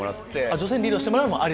女性にリードしてもらうのもあり。